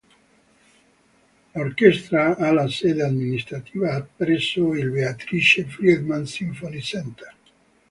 L'orchestra ha la sede amministrativa presso il Beatrice Friedman Symphony Center.